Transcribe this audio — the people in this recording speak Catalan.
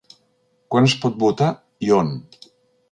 Quan es pot votar i on?